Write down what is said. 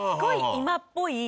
今っぽい